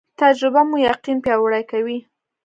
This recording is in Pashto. تجربه مو یقین پیاوړی کوي